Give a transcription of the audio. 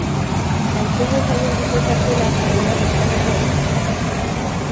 Aurtengo jaialdiko kartela ari da pixkanaka osatzen.